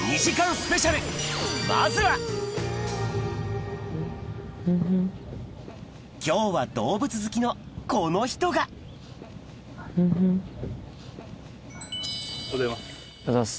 スペシャルまずは今日は動物好きのこの人がおはようございます。